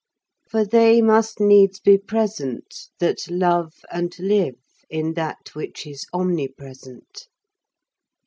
132. For they must needs be present, that love and live in that which is Omnipresent.